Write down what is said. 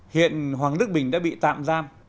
hiện hoàng đức bình đã bị tạm giam